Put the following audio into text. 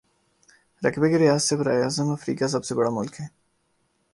رقبے کے لحاظ سے براعظم افریقہ کا سب بڑا ملک ہے